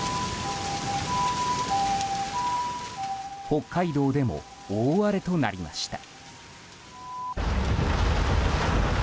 北海道でも大荒れとなりました。